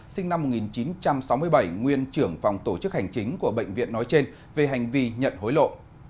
sinh năm một nghìn chín trăm sáu mươi bảy nguyên trưởng phòng tổ chức hành chính của bệnh viện nói trên về hành vi nhận hối lộ